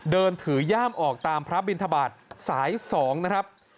เดินถือย่ามออกตามพระบินทบาทสาย๒นะครับ